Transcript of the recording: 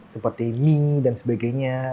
seperti mie dan sebagainya